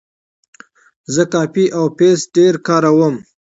زه کاپي او پیسټ ډېر کاروم.